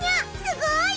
すごい！